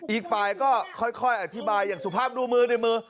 อีกฝ่ายก็ค่อยอธิบายอย่างสุภาพดูมือในมือ